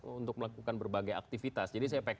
untuk melakukan berbagai aktivitas jadi saya